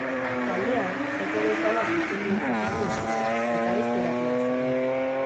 Taldean joko bezala zuzendu dezakezu eskola, eta ez terapia bezala.